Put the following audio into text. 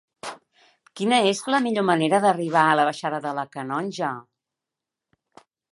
Quina és la millor manera d'arribar a la baixada de la Canonja?